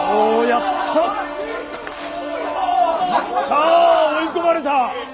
さあ追い込まれた。